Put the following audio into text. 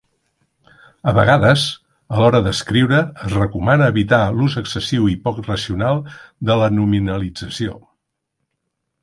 A vegades, a l'hora d'escriure es recomana evitar l'ús excessiu i poc racional de la nominalització.